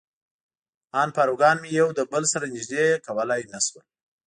ان پاروګان مې یو له بل سره نژدې کولای نه شول.